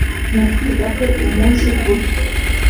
mu kwiga kwe umunsi buryo